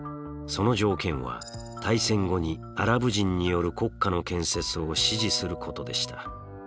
その条件は大戦後にアラブ人による国家の建設を支持することでした。